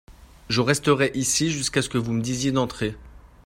Je resterai ici jusquà ce que vous me disiez d'entrer.